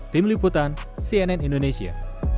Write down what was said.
tim liputan cnn indonesia